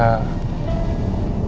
tapi gue yakin